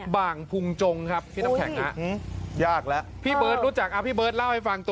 บ่างพุงมงครับพี่น้องแข็งนะ